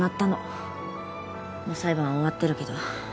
もう裁判は終わってるけど。